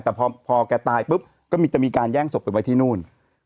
แต่พอแกตายปุ๊บก็จะมีการแย่งศพไปไว้ที่นู่น